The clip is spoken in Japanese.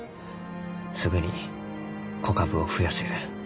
すぐに子株を増やせる。